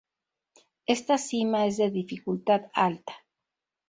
Esta sima es de dificultad alta.